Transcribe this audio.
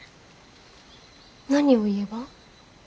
何を言えば？